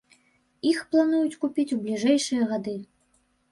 Іх плануюць купіць у бліжэйшыя гады.